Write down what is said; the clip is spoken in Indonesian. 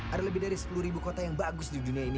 ada lebih dari sepuluh kota yang bagus di dunia ini